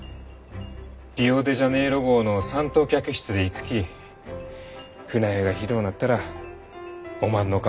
リオ・デ・ジャネイロ号の三等客室で行くき船酔いがひどうなったらおまんの顔思い出す。